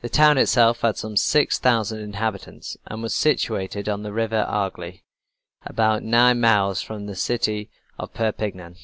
The town itself had some six thousand inhabitants, and was situated on the River Agly, about nine miles from the city of Perpignan.